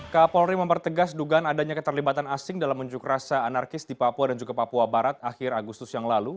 kapolri mempertegas dugaan adanya keterlibatan asing dalam unjuk rasa anarkis di papua dan juga papua barat akhir agustus yang lalu